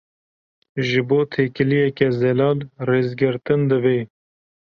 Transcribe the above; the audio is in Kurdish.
Ji bo têkiliyeke zelal, rêzgirtin divê.